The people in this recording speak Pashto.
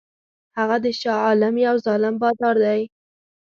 هغه د شاه عالم یو ظالم بادار دی.